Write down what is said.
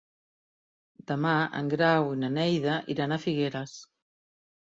Demà en Grau i na Neida iran a Figueres.